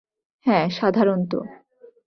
হ্যাঁ, সাধারণত।